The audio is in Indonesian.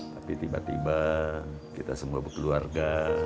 tapi tiba tiba kita semua berkeluarga